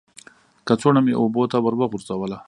کڅوړه مې اوبو ته ور وغورځوله.